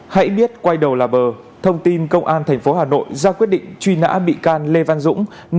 hãy biết quay đầu là bờ thông tin công an tp hà nội ra quyết định truy nã bị can lê văn dũng